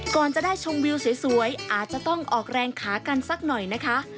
ก่อนจะได้ชมวิวสวยอาจจะต้องออกแรงขากันสักหน่อยนะคะ